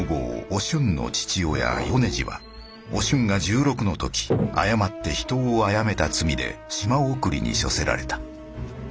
お俊の父親米次はお俊が１６の時誤って人を殺めた罪で島送りに処せられた。